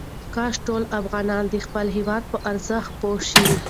کاشکې ټول افغانان د خپل هېواد په ارزښت پوه شي.